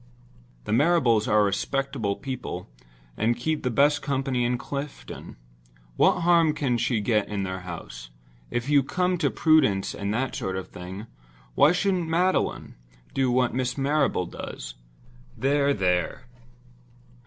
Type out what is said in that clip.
The Marrables are respectable people, and keep the best company in Clifton. What harm can she get in their house? If you come to prudence and that sort of thing—why shouldn't Magdalen do what Miss Marrable does? There! there!